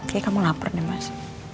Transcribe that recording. kayaknya kamu lapar nih mas